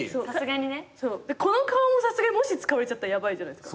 この顔ももし使われちゃったらヤバいじゃないですか。